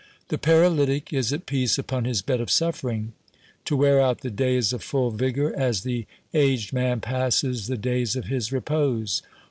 The paralytic is at peace upon his bed of suffering. To wear out the days of full vigour as the aged man passes the days of his repose